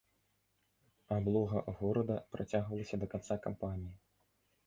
Аблога горада працягвалася да канца кампаніі.